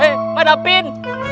eh pak davin